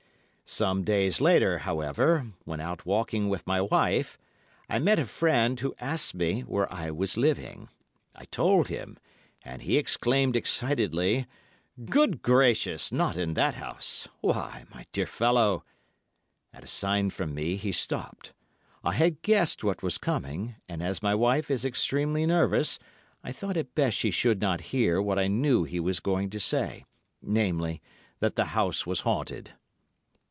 "Some days later, however, when out walking with my wife, I met a friend who asked me where I was living. I told him, and he exclaimed excitedly: "'Good gracious, not in that house! Why, my dear fellow——' At a sign from me he stopped. I had guessed what was coming, and as my wife is extremely nervous I thought it best she should not hear what I knew he was going to say, namely, that the house was haunted.